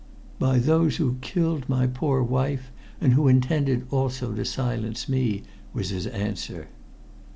"By those who killed my poor wife, and who intended also to silence me," was his answer.